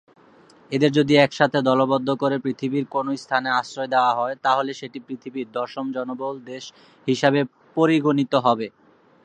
এদের যদি এক সাথে দলবদ্ধ করে পৃথিবীর কোন স্থানে আশ্রয় দেওয়া হয়, তাহলে সেটি পৃথিবীর দশম জনবহুল দেশ হিসাবে পরিগণিত হবে।